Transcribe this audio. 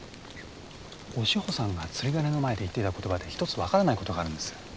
お志保さんが釣り鐘の前で言ってた言葉で１つ分からない事があるんです。